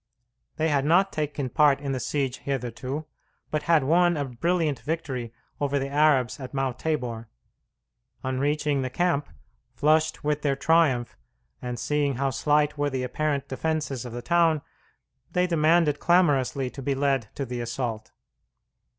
They had not taken part in the siege hitherto, but had won a brilliant victory over the Arabs at Mount Tabor. On reaching the camp, flushed with their triumph, and seeing how slight were the apparent defences of the town, they demanded clamorously to be led to the assault.